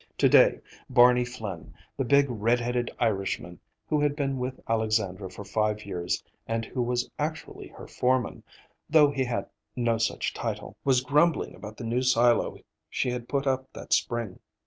To day Barney Flinn, the big red headed Irishman who had been with Alexandra for five years and who was actually her foreman, though he had no such title, was grumbling about the new silo she had put up that spring.